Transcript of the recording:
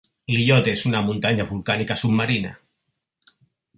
L'illot és una muntanya volcànica submarina.